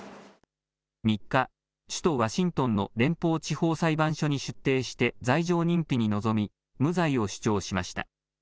３日、首都ワシントンの連邦地方裁判所に出廷して罪状認否に臨み無罪を主張しました。